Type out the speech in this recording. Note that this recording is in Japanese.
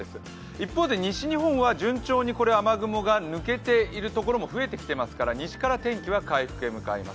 一方で西日本は順調に雨雲が抜けているところも増えてきていますから西から天気は回復へ向かいます。